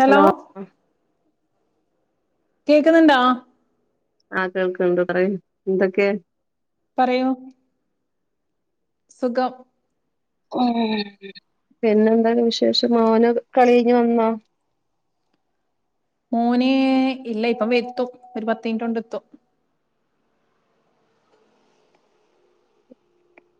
Hello കേക്കുന്ന്ണ്ടോ? ആഹ് കേൾക്ണ്ട്, പറി. എന്തൊക്കെ? പറയൂ സുഖം ഏഹ്. പിന്നെന്താണ് വിശേഷം, മോന് കള്യയ്ഞ്ഞ് വന്നോ? മോന് ഇല്ല ഇപ്പം വെത്തും ഒരു പത്തിൻറ്റോണ്ട് എത്തും.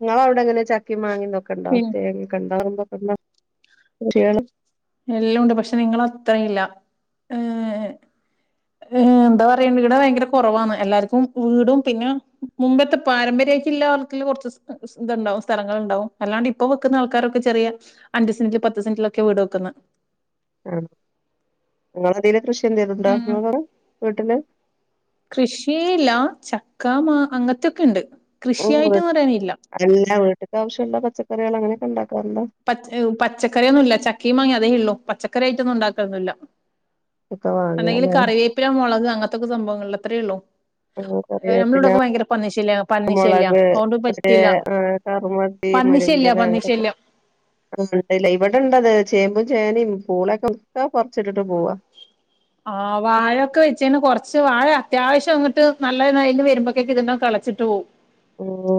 ഇങ്ങളവ്ടെ എങ്ങനെ ചക്കിം മാങ്ങിം തൊക്കെ ണ്ടോ? പിന്നെ തേങ്ങ്യെക്കെണ്ടോ [unintelligible] എല്ലൂണ്ട്. പക്ഷെ നിങ്ങളെ അത്രയില്ല. ഏഹ് ഹേ എന്താ പറയണ്ട് ഈടെ ഭയങ്കര കൊറവാന്ന് എല്ലാർക്കും വീടും പിന്നെ മുമ്പത്തെ പാരമ്പര്യായ്റ്റില്ലാ ക്കിൽ കുറച്ച് സ് സ് ഇതുണ്ടാവും സ്ഥലങ്ങള് ണ്ടാവും അല്ലാണ്ട് ഇപ്പൊ വെക്കുന്ന ആൾക്കാരൊക്കെ ചെറിയ അഞ്ച് സെന്റ പത്ത് സെന്റിലൊക്കെ വീട് വെക്കുന്നെ. ആഹ്. നിങ്ങളെന്തേലും കൃഷി എന്തേലും ണ്ടോ ഉം നിങ്ങളെ വീട്ടില്? കൃഷി ല്ലാ ചക്ക മാ അങ്ങൻത്തെക്കെ ഇണ്ട് കൃഷിയായിട്ട് ന്ന് പറയാനില്ല. എല്ല, വീട്ട്ക്കാവശ്യള്ള പച്ചറികൾ അങ്ങനെയൊക്കെ ഇണ്ടാക്കാറുണ്ടോ? പച്ച ഏഹ് പച്ചക്കറിയൊന്നും ഇല്ല ചക്കിം മാങ്ങിം അതേ ഉള്ളൂ പച്ചക്കറിയിട്ടൊന്നും ഉണ്ടാക്കൊന്നില്ല. ഒക്കെ അന്തെങ്കില് വാങ്ങാല്ലേ കറിവേപ്പിലാ മുളക് അങ്ങത്തൊക്ക സംഭവങ്ങളള്ള അത്രേ ഉള്ളു. ഓഹ് കറിവേപ്പില [unintelligible] പന്നിശല്യ മുളക് അതുകൊണ്ട് പറ്റില്ല [unintelligible] ആഹ് കറു [unintelligible] പന്നിശല്യ മുരിങ്ങൻ്റെല അങ്ങനൊക്കെ പന്നിശല്യം ഇണ്ടല്ലേ ഇവിടെ ഇണ്ടത് ചേമ്പും ചേനയും പൂളൊക്കെ ഒക്കെ പറിച്ചിട്ട് പോവാ ആഹ് വാഴൊക്കെ വെച്ചേന്ന് കൊറച്ച് വാഴ അത്യാവശ്യം അങ്ങിട്ട് നല്ലതിന്ന് വരുമ്പോക്കെക്കെ ഇതിങ്ങ കെളച്ചിട്ട് പോവും ഓഹ്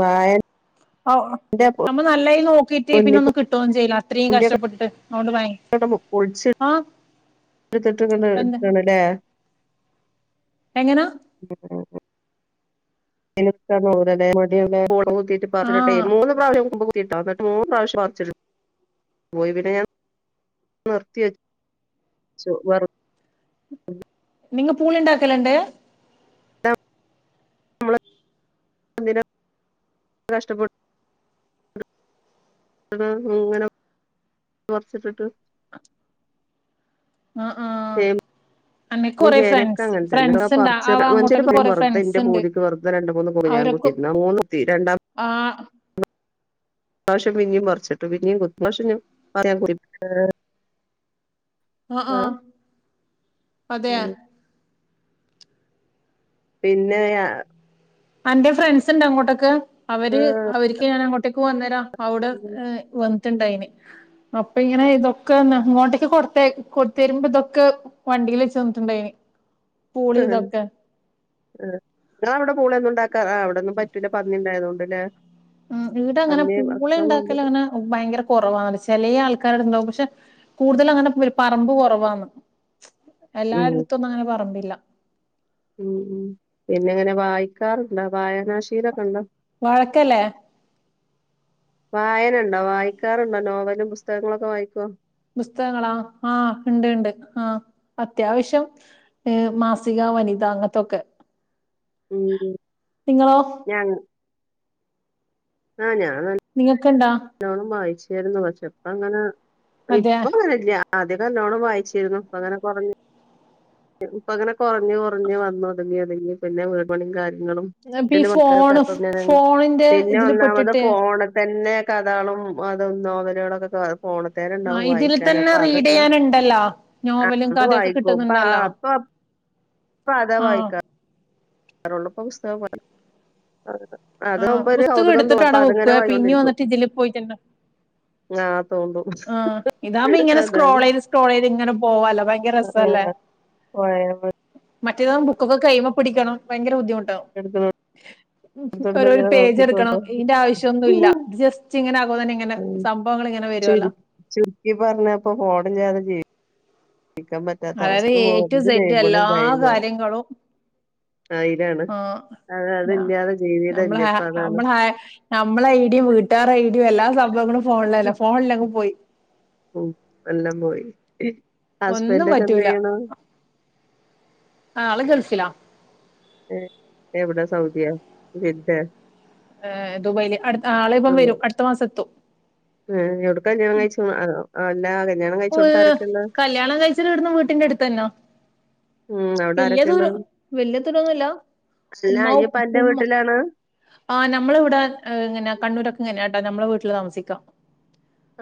വാഴ [unintelligible] നമ്മള് നല്ലയി നോക്കീട്ട് പിന്നെ ഒന്നും മുന്നിപ്പൊന്തിയൊക്കെ കിട്ടോന്നും ചെയ്ല അത്രയും കഷ്ട്ടപെട്ടിട്ട് അതോണ്ട് വാങ്ങി [unintelligible] പൊളിച് ആഹ ഇടുത്തിട്ട് ഇങ്ങണ്ട് ഇട്ക്കാണ്ലേ എങ്ങനാ [unintelligible] [unintelligible] ആ മൂന്ന് പ്രാവശ്യം കൊമ്പ് നിർത്തിട്ടോ ഇന്നിട്ട് മൂന്ന് പ്രാവശ്യം പർച്ചിട്ട് പോയി പിന്നെ ഞാൻ നിർത്തി വെച്ചു ച്ചു വെർ നിങ്ങ പൂളിണ്ടാക്കല്ണ്ട് നമ്മൾ എന്തിനാ ഇത്ര കഷ്ട്ടപ്പെട്ട് [unintelligible] ഇങ്ങനെ പർച്ചിട്ടിട്ട് ആഹ് ആഹ് ചേമ്പ് അന്നക്ക് മ്പും കൊറെ ചേനൊക്കെ ഫ്രണ്ട്സ് അങ്ങനെ തന്നെ ഫ്രണ്ട്സ് ഒക്കെ ഇണ്ട് ആ പർച്ച് അങ്ങോട്ടൊക്കെ [unintelligible] കൊറെ വെറുതെ ഫ്രണ്ട്സ് ഇന്റെ ഇണ്ട് പൂതിക്ക് വെറുതെ രണ്ട് മൂന്ന് പുള ഞാൻ അവരൊക്കെ കുത്തിട്ട്ണ്ട് മൂന്ന് കുത്തി രണ്ടാ ആഹ് ഇപ്രാവിശ്യം പിന്നിം പറിച്ചിട്ടു പിന്നിം കുത്തി ഇപ്രാവശ്യം ഞാന് [unintelligible] ആഹ ആഹ അതെയാ ഉം പിന്നെ യാ അന്റെ ഫ്രണ്ട്സ് ഇണ്ട് അങ്ങോട്ടേക്ക് അവര് അവര്ക്ക് ഞാൻ അങ്ങോട്ടേക്ക് പോന്നേരം അവുടെ ഹെ വന്നിട്ടുണ്ടായിന് അപ്പൊ ഇങ്ങനെ ഇതൊക്കെ ഇങ്ങോട്ടേക്ക് കൊടുത്ത കൊ തെരുമ്പോ ഇതൊക്കെ വണ്ടിൽ വെച്ച് തന്നിട്ടുണ്ടായിന് പൂളി ഉം ഇതൊക്കെ ആഹ് ഇങ്ങളവിടെ പൂളൊന്നും ഇണ്ടാക്കാൻ ആഹ് അവിടൊന്നും പറ്റൂല പന്നി ഇണ്ടായതോണ്ട്ല്ലേ ആഹ് ഈടെ അങ്ങനെ പൂള വേണ്ടിയത് ഇണ്ടാക്കലങ്ങനെ ഭയങ്കര കൊറവാണ് ചെലെ ആൾക്കാരെടെണ്ടാവും പക്ഷെ കൂടുതൽ അങ്ങനെ പറമ്പ് കൊറവാന്ന് ഉം എല്ലാരെടുത്തൊന്നും അങ്ങനെ പറമ്പില്ല ഉം ഉം പിന്നെ എങ്ങനെ വായിക്കാറുണ്ടോ വായനാശീലൊക്കെ ഇണ്ടോ വാഴക്കല്ലേ വായനണ്ടോ വായിക്കാറുണ്ടോ നോവലും പുസ്തകങ്ങളൊക്കെ വായിക്കോ പുസ്തകങ്ങളാ ആഹ് ഇണ്ട് ഇണ്ട് ആഹ അത്യാവശ്യം ഏഹ് മാസിക വനിത അങ്ങൻത്തൊക്കെ ഉം നിങ്ങളോ ഞാൻ ആഹ് ഞാൻ നിങ്ങക്ക് ഇണ്ടാ നല്ലോണം വായിച്ചിരുന്നു പക്ഷെ ഇപ്പ അങ്ങനെ മറ്റേ ഇപ്പ അങ്ങനെ ഇല്ല ആദ്യൊക്കെ നല്ലോണം വായിച്ചിരുന്നു ഇപ്പൊ അങ്ങനെ കൊറഞ്ഞു ഇപ്പങ്ങനെ കുറഞ്ഞ് കുറഞ്ഞ് വന്നു ഒതുങ്ങി ഒതുങ്ങി പിന്നെ വീട് പണിയും കാര്യങ്ങളും ഇപ്പ ഈ വീട്ടിൽ ഫോണ് [unintelligible] ഫോണിന്റെ പിന്നെ ഇതില് ഒന്നാമത് പെട്ടിട്ട് ഫോണ് തന്നെ കഥാളും അതും നോവലാളൊക്കെ ആഹ് ഫോണത്തേനണ്ടാവും ഇതിൽ വായിക്കാൻ തന്നെ അപ്പൊ റീഡ് അതൊക്കെ ചെയ്യാനുണ്ടല്ലോ ആഹ് നോവലും അത് കഥയൊക്കെ വായിക്കും ഇപ്പആഹ്, കിട്ടുന്നുണ്ടല്ലോ ആഹ് ഇപ്പം, ഇപ്പ അതാ ആഹ് വായിക്കാറൊള്ളു ഇപ്പം പുസ്തകം വായി അതാ, ആഹ് അതാവുമ്പോ ഒരു പുസ്തകം കൗതുകം തോന്നും എടുത്തിട്ട് അപ്പൊ അവിടെ അത്ങ്ങനെ വെക്കുക പിന്നെ വായിച്ചോണ്ടിരിക്കും. വന്നിട്ട് ഇതില് പോയിട്ടുണ്ട് ആഹ് തോണ്ടു. ആ, ഇതാവുമ്പോ ഇങ്ങനെ സ്ക്രോൾ ചെയ്ത് സ്ക്രോൾ ചെയ്ത് ഇങ്ങനെ പോവാലോ ഭ യങ്കര രസല്ലേ, മറ്റേത് ബുക്കൊക്കെ കൈയുമ്മ പിടിക്കണം ഭയങ്കര ബുദ്ധിമുട്ടാവും. [unintelligible] എടുക്കടുത്തടുത്ത് ഓരോരോ ഇങ്ങനെ പേജ് എടുക്കണം നോക്കിക്കോണ്ടോ ഇയിന്റെ ആവശ്യം ഒന്നു ഇല്ല. ഇത് ജസ്റ്റ് ഇങ്ങനെ ആക്കുമ്പ തന്നെ ഇങ്ങനെ ഉം, സംഭവങ്ങൾ ഇങ്ങനെ വരുവല്ലോ ചുരു ചുരുക്കി പറഞ്ഞ ഇപ്പ ഫോണില്ലാതെ ജീവി ക്കാൻ പറ്റാത്ത അവസ്ഥ. അതായത് എ ടു സെഡ് എല്ലാ [unintelligible] [unintelligible] ആ അയിലാണ്. ആഹ്, ന നമ്മളെ ഇല്ല ആഹ് ഇപ്പൊ അതാണ് നമ്മളെ ആഹ് നമ്മളെ ഐടിം വീട്ടുകാരെ ഐടിം എല്ലാ സംഭവങ്ങളും ഫോണിലല്ല ഫോൺ ഇല്ലങ്ങ് പോയി. ഉം, എല്ലാം പോയി. ഒന്നും ഹസ്ബൻന്റ് ഒക്കെ എന്താ പറ്റൂല ചെയ്യണ്? ആള് ഗൾഫ്‌ലാ ഏഹ്, എവിടെ സൗദിയ, ജിദ്ദേ? ഏഹ്, ദുബൈയില് അട് ആള് ഇപ്പം വെരും അടുത്ത മാസ എത്തും. ഏഹ്, എടുക്കാ കല്ല്യാണം കഴിച്ച് അതോ ആ, അല്ല കല്ല്യാണം കഴിച്ചോട്ത്ത് ആരെക്കെ ഇള്ളെ? കല്യാണം കഴിച്ചിട്ട് ഇവിടുന്ന് വെല്ല്യ ദൂരോ വെല്ല്യ ദൂരൊന്നൂല്ല. അല്ല ഉമ്മ, ഇയ്യ്പ്പ ഉ അന്റെ ഉമ്മ വീട്ടിലാണ് ആ, നമ്മള ഇവിടെ ഏഹ്, ഇങ്ങനെ കണ്ണൂരൊക്കെ ഇങ്ങനെട്ടാ നമ്മളെ വീട്ടില താമസിക്ക്.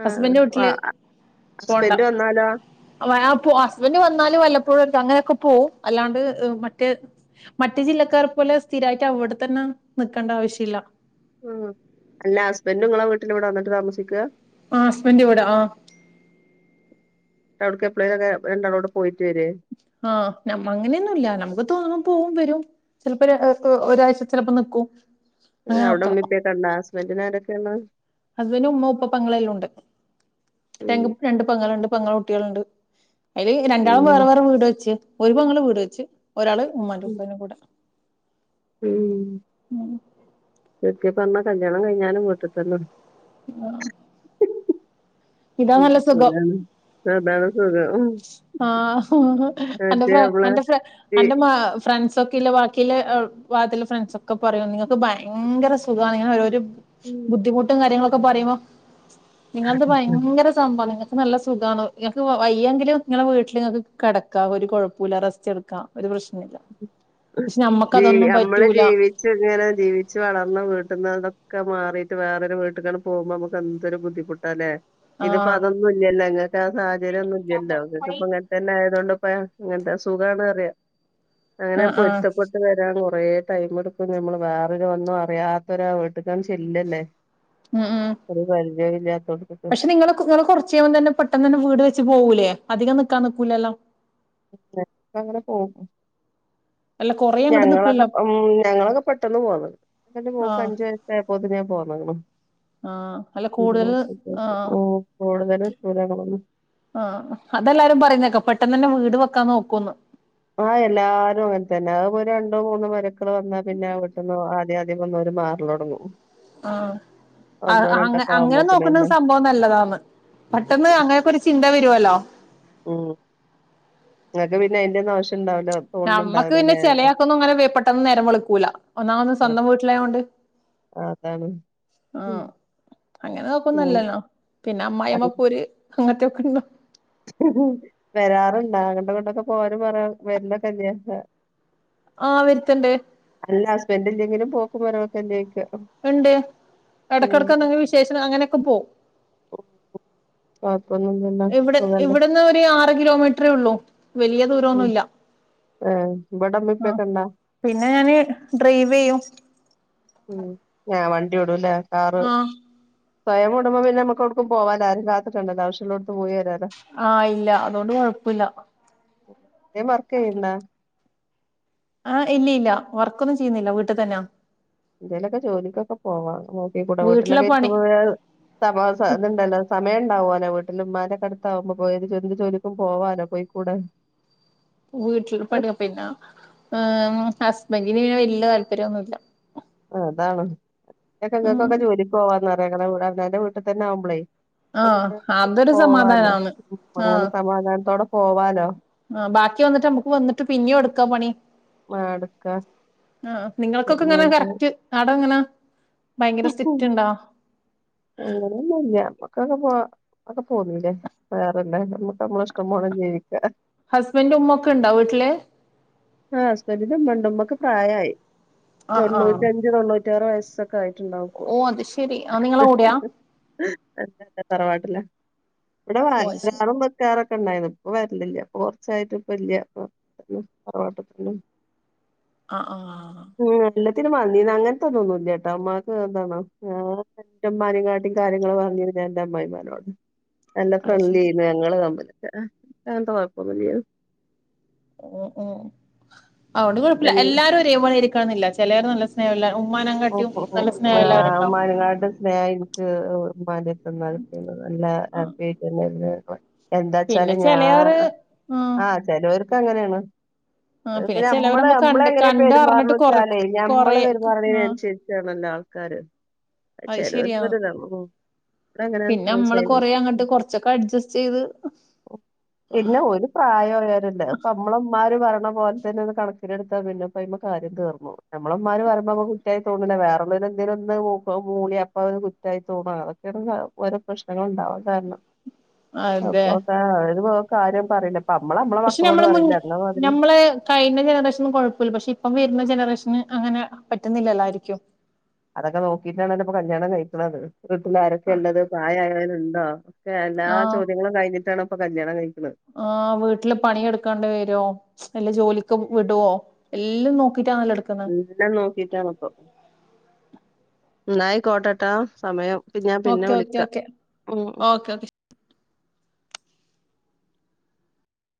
ആഹ്, വ പോണ്ട ഹസ്ബൻഡ് വന്നാലോ? [unintelligible] ഹസ്ബൻഡ് വന്നാലും വല്ലപ്പോഴും അങ്ങനെയൊക്കെ പോവും, അല്ലാണ്ട് ഇഹ് മറ്റേ മറ്റ് ജില്ലക്കാർ പോലെ സ്ഥിരായിട്ട് അവിടെ തന്നെ നിക്കണ്ട ആവശ്യല്ല. ഉം, അല്ല ഹസ്ബന്റു ഇങ്ങളെ വീട്ടില് ഇവിടെ വന്നിട്ട് താമസിക്ക്. ആഹ്, ഹസ്ബന്റിവടെ ആഹ്, എവിട്ക്കു എപ്പളേലെക്കെ രണ്ടാളൂടി പോയിട്ട് വെരേ? ആഹ്, നമ്മ അങ്ങനെയൊന്നുല്ല നമ്മക്ക് തോന്നും പോവും വെരും. ചിലപ്പോ ഒര് [unintelligible] ഒരാഴ്ച ചെലപ്പ നിക്കും. ഏഹ്, അവിടെ അങ്ങനൊക്കെ ഉമ്മി ഉപ്പ യൊക്കെ ഇണ്ടോ? ഹസ്ബെന്റിന് ആരൊക്കെ ഇളെള? ഹസ്ബൻഡു, ഉമ്മ, ഉപ്പ, പെങ്ങളെല്ലാ ഉണ്ട്. ഉം രങ്ക് രണ്ട് പെങ്ങള്ണ്ട് പെങ്ങളെ കുട്ടിളുണ്ട്. അയില് രണ്ടാളും ഉം വേറെ വേറെ വീട് വെച്ച്. ഒരു പെങ്ങള് വീട് വെച്ച്. ഒരാള് ഉമ്മാന്റി ഉം ഉപ്പാന്റി കൂടെ ഉം, ചുരുക്കി പറഞ്ഞ കല്ല്യാണം കഴിഞ്ഞാലും വീട്ടിൽ തന്നെ. ആഹ് ഹ്, ഹ് ഉം, സുഖം ശെരിയാണ്. ഇപ്പ അതാണ് സുഖം. ഉം ആഹ്, ഹാ അന്റെ മറ്റേ ഫ്രെ നമ്മളെ അന്റെ ഫ്രെ ജീ അന്റെ മാ ഫ്രണ്ട്സ് ഒക്കെ ഇല്ല ബാക്കി ഇല്ലെ എള് ഭാഗത്തില ഫ്രണ്ട്സ് ഒക്കെ പറയും നിങ്ങക്ക് ഭയങ്കര സുഖാണ് ഇങ്ങനെ ഓരോരു ഉം ബുദ്ധിമുട്ടും കാര്യങ്ങളൊക്കെ പറയുമ്പോ നിങ്ങൾത് ഭയങ്കര [unintelligible] നിങ്ങക്ക് നല്ല സുഖാണ്. നിങ്ങക്ക് വൈ ഇയ്യെങ്കിലും നിങ്ങളെ വീട്ടില് ഇങ്ങക്ക് കെടക്കാ ഒരു കൊഴപ്പൂല്ല റെസ്റ്റ് എടുക്കാ. ഒരു പ്രശ്നൂല്ല പക്ഷെ, നമ്മക്ക് അതൊന്നും പറ്റൂല. ഇച്ച് ഇങ്ങനെ ജീവിച്ച് വളർന്ന വീട്ട്ന്ന് അതൊക്കെ മാറിയിട്ട് വേറൊരു വീട്ട്ക്കാണ് പോവുമ്പോ നമുക്ക് എന്തൊരു ബുദ്ധിമു ട്ടാലേ, ഇതിപ്പോ ആഹ് അതൊന്നു ഇല്ലല്ലോ ഇങ്ങക്ക് ആ സാഹചര്യ ഒന്നു ഇല്ലല്ലോ ഇങ്ങക്ക് ഇപ്പ ഇങ്ങ തന്നെ ആയതോണ്ട് ഇപ്പ ഇങ്ങൻത്തെ സുഖാണ് പറിയ. അങ്ങനെ ആഹ് ആഹ് പൊരുത്തപെട്ട് വെരാൻ കൊറേ ടൈം എടുക്കും ഞമ്മള് വേറൊരു ഒന്നു അറിയാത്ത ഒരാ വീട്ട്ക്കാണ് ചെല്ല് അല്ലേ. ഉം ഉം ഒരു പരിചയ ഇല്ലാത്തോട്ത്ത്. പക്ഷെ നിങ്ങളൊക്കെ നിങ്ങള് കൊറച്ച് കഴിയുമ്പം തന്നെ പെട്ടെന്നന്നെ വീട് വെച്ച് പോകൂലേ അധികം നിക്കാൻ നിക്കൂലല്ലോ [unintelligible] അങ്ങന പോകും അല്ല കൊറേ അങ്ങട്ട് ഞങ്ങളൊക്കെ നിക്കൂലല്ലോ ഉം ഞങ്ങളൊക്കെ പെട്ടെന്ന് പോന്ന് അപ്പെന്റെ മോക്ക് ആഹ് അഞ്ചു വയസ്സ് ആയപ്പോത്തിന് ഞാൻ പോന്നേണ് ആഹ് അല്ല കൂടുതല് [unintelligible] ആഹ് ഓഹ് കൂടുതല് [unintelligible] ആഹ് അതെല്ലാരും പറയുന്നേക്കാം പെട്ടെന്ന് തന്നെ വീട് വെക്കാൻ നോക്കൂന്ന് ആഹ് എല്ലാരും അങ്ങനെ തന്നെ അതിപ്പോ രണ്ടോ മൂന്നോ മരുമക്കള് വന്നാ പിന്നെ ആ വിട്ട്ന്ന് ആദ്യം ആദ്യം വന്നൊരു മാർ [unintelligible] ആഹ് അത് അങ്ങ അങ്ങനെ ആവുമ്പോത്തിന് നോക്കുന്ന തന്നെ സംഭവം നല്ലതാണ് പെട്ടെന്ന് ഉം അങ്ങനൊക്കെ ഒരു ചിന്ത വരുവല്ലോ ഉം നിങ്ങക്ക് പിന്നെ അതിന്റെന്നും ആവശ്യ നമ്മക്ക് പിന്നെ ചെലയാക്കൊന്നും അങ്ങനെ വേ പെട്ടെന്ന് നേരം വെളുക്കൂല ഒന്നാമത് സ്വന്തം വീട്ടിലായൊണ്ട് ആഹ് അതാണ് ഉം അങ്ങനെ ഉം നോക്കൊന്നുല്ലല്ലോ പിന്നെ അത് അമ്മായിമ്മ പോര് അങ്ങനത്തേക്ക ഉണ്ടോ വരാറുണ്ടാ അങ്ങട്ടും ഇങ്ങാട്ടൊക്കെ പോവാനും പറ വരല് തന്നെയാ അഹ് ആഹ് വരുത്ത്ണ്ട് അല്ല ഹസ്ബൻഡ് ഇല്ലെങ്കിലും പോക്കും വരവൊക്കെ ഇല്ലേ ചോയ്ക്കാ ഇണ്ട് എടക്കെടക്ക് എന്തെങ്കിലും വിശേഷക്കെ അങ്ങനേക്കെ പോവും കൊയപ്പൊന്നും ഇവിടെ ഇവിടന്ന് ഒരു ആറ് കിലോമീറ്ററേ ഉള്ളൂ വലിയ ദൂ ഉം ആഹ് ഇബടെ ഉമ്മേം ഉം ഉപ്പേക്ക ഇണ്ടാ പിന്നെ ഞാന് ഡ്രൈവ് ചെയ്യും ഉം ഞാ വണ്ടി ഓടൂല്ലേ കാറ് ആഹ് സ്വയം കൂടുമ്പം പിന്നെ നമുക്ക് എവിടുക്കും പോവാല്ലോ ആരേം കാത്ത് [unintelligible] ആവശ്യോള്ളോടത്ത് പോയി വരല്ലോ ആഹ് ഇല്ല അതൊണ്ട് കൊഴപ്പല്ല നീ വർക്ക് ചെയ്യ്ണ്ടാ ആഹ് ഇല്യ ഇല്ല വർക്കൊന്നും ചെയ്യുന്നില്ല വീട്ടിൽ തന്നാ എന്തേലൊക്കെ ജോലിക്കൊക്കെ പോവാ നോക്കി കുടേ വീട്ടിലെ വീട്ടിലൊക്കെ പണി ഇരിക്കുമ്പൊഴ സമ സ ഇതുണ്ടല്ലോ സമയ ഉണ്ടാവുമല്ലോ വീട്ടില് ഉമ്മന്റെക്കെടുത്ത് ആവുമ്പോ പോയൊരു ചെറിയൊരു ജോലി ഇപ്പൊ പോവാല്ലോ പൊയ്ക്കൂടെ വീട്ടില് പണി വെപ്പ് തന്ന ഏഹ് ഹസ്ബൻഡിന് വല്യ താല്പര്യോന്നുല്ല ആഹ് അതാണ് [unintelligible] ഉം ഞങ്ങക്കൊക്കെ ജോലിക്ക് പോവാന്ന് [unintelligible] അങ്ങനെ വീട്ടിൽ തന്നെ ആവുമ്പളേ ആഹ് [unintelligible] അതൊരു പോവാല്ലോ സമാധാനാണ് ഉം അങ്ങനെ ആഹ് സമാധാനത്തോടെ പോവാലോ ആഹ് ബാക്കി വന്നിട്ട് നമ്മുക്ക് വന്നിട്ട് പിന്നെയും എവിടുക്കാ പണി മടുക്ക ആഹ് നിങ്ങളക്കൊക്കെ ഇങ്ങനെ കറക്റ്റ് ആട എങ്ങനാ ഭയങ്കര സ്ട്രിക്റ്റ് ഉണ്ടോ അങ്ങനൊന്നുംല്ല അമ്മക്കൊക്ക പോവാം അവിടെ പോന്നൂല്ലേ വേറെല്ലാ അമ്മുക്ക് അമ്മള ഇഷ്ടം പോലെ ജീവിക്കാ ഹസ്ബൻഡും ഉമ്മൊക്ക ഇണ്ട വീട്ടില് ആഹ് ഹസ്ബൻഡിന് ഉമ്മണ്ട് ഉമ്മക്ക് പ്രായായി ആഹ് ആഹ് തൊണ്ണൂറ്റഞ്ച് തൊണ്ണൂ [unintelligible] വയസ്സൊക്കെ ആയിട്ടുണ്ടാവും ഇപ്പൊ ഓഹ് അത് ശെരി അവൻ നിങ്ങളെ കൂടെയാ [unintelligible] തറവാട്ടിലാ ഇവിടെ ഓ അത് ശരി [unintelligible] ക്കറൊക്കെ ഉണ്ടായിരുന്നു ഇപ്പ വരലില്ല ഇപ്പോ കുറച്ചായിട്ട് ഇപ്പ ഇല്യ [unintelligible] ആഹ് ആഹ് ഉം എല്ലത്തിനും മതി അങ്ങൻത്തെതൊന്നുല്ല ട്ടോ ഇമ്മാക്ക് എന്താണോ ന്റെ ഇമ്മാനെകാട്ടിം കാര്യങ്ങള് പർഞര ഇന്റെ അമ്മായിമാനോട നല്ല അത് ഫ്രണ്ട്ലി ശരി ആയിരുന്നു ഞങ്ങള് തമ്മില് അങ്ങൻത്തെ കൊഴപ്പൊന്നുല്ലായിരുന്നു ഉം ഉം അതോണ്ട് കോഴപ്പല്ല എല്ലാരും ഒരെ പോലാഴിരിക്കണം ന്നില്ല ചെലോര് നല്ല സ്നേഹല്ല ഉമ്മാനെങ്കാട്ടിം നല്ല സ്നേഹല്ലവര് ഇണ്ടാവും വഴനാട് ഇൻക്ക് ഇമ്മാന്റെ അട്ത്ത്ന്നാ കിട്ടിയത് നല്ല ഹാപ്പി ആയിട്ടന്നെ [unintelligible] എന്താ ച്ചാല് പിന്നെ ഞാ ചിലവര് ആഹ് ആ ചെലോർക്ക് അങ്ങനെണ് അ ആഹ് പിന്നെ ചിലവര് നമ്മള് നമ്മ നമ്മളെ കണ്ട് എങ്ങനെ പെരുമാറ്ണ കണ്ടറിഞ്ഞിട്ട് കൊറ വെച്ചാലേ ഞമ്മള് കൊറേ പെരുമാറ്ണെനൻ ആഹ് രിച്ചാണല്ലോ ആൾക്കാര് അത് ശരിയാ ചെലോൽക്ക് ഒര്താ പിന്നെ നമ്മള് കൊറേ അങ്ങട്ട് കൊർച്ചക്ക അഡ്ജസ്റ്റ് ചെയ്ത് ഓ പിന്നെ ഓല് പ്രായയൊരല്ലേ അപ്പ നമ്മളമ്മാര് പറിണ പോൽ തന്നെ അത് കണക്കിലെടുത്താ പിന്നെ അയ്മ കാര്യം തീർന്നു നമ്മളമ്മര് പറിമ്പം നമ്മക്ക് കു കുറ്റായി തോന്ന്ണ വേറേള്ളോര് എന്തേലും ഒന്ന് മൂളി അപ്പ അത് കുറ്റായി തോന്നും അതൊക്കെണ് ഓരോ പ്രശ്നങ്ങള് ഇണ്ടാവാൻ കാര്ണം ഉ [inaudible] അപ്പൊ അത് പോ കാര്യം പറയിണ് ഇപ്പ നമ്മള നമ്മളെ പക്ഷെ മക്കളോട് നമ്മള് പറിണ മുന്നി അന്ന മാതിരി നമ്മള് കഴിഞ്ഞ ജനറേഷനും കോഴപ്പല്ല പക്ഷെ ഇപ്പം വര്ന്ന ജനറേഷന് അങ്ങനെ പറ്റുന്നില്ലല്ലായിരിക്കും അതൊക്കെ നോക്കിട്ടാണ്ല്ലോ ഇപ്പ കല്യാണം കഴിക്ക്ണത് വീട്ടിലാരൊക്കെ ഇള്ളത് പ്രായായോല് ഇണ്ടോ എല്ലാ ചോദ്യങ്ങളും കഴിഞ്ഞിട്ടാണ് ഇപ്പ കല്യാണം കഴിക്ക്ണത് ആ വീട്ടില് പണി എടുക്കാണ്ട് വരും നല്ല ജോലിക്ക് വിടോ എല്ലാം നോക്കിട്ടാണല്ലോ എട്ക്ക് എല്ലം നോക്കിട്ടാണ്പ്പൊ ന്നാ അയികോട്ടട്ടോ സമയം ഞാൻ പിന്നെ ഓക്കെ ഓക്കെ വിളിക്ക ഓക്കെ ഉം ഓക്കെ ഓക്കെ